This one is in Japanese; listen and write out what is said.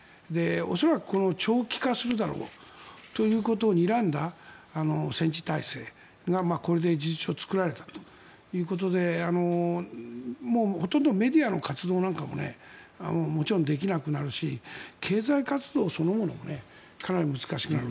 恐らく長期化するだろうということをにらんだ戦時体制が、これで事実上作られたということでもうほとんどメディアの活動なんかももちろんできなくなるし経済活動そのものもかなり難しくなる。